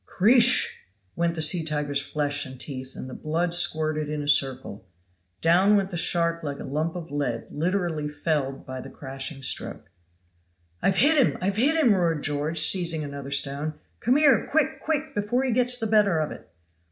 "Creesh!" went the sea tiger's flesh and teeth, and the blood squirted in a circle. Down went the shark like a lump of lead, literally felled by the crashing stroke. "I've hit him! I've hit him!" roared George, seizing another stone. "Come here, quick! quick! before he gets the better of it."